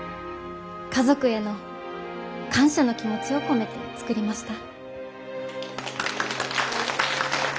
家族への感謝の気持ちを込めて作りました。